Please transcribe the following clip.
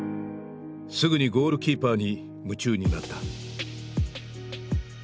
すぐにゴールキーパーに夢中になった。